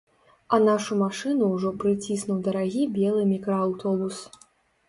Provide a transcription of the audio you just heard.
А нашу машыну ўжо прыціснуў дарагі белы мікрааўтобус.